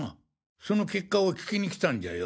その結果を聞きに来たんじゃよ。